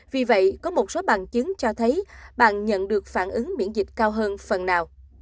vì vậy có một số bằng chứng cho thấy bạn nhận được phản ứng miễn dịch cao hơn phần nào